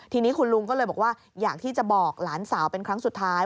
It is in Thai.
ทีนี้คุณลุงก็เลยบอกว่าอยากที่จะบอกหลานสาวเป็นครั้งสุดท้าย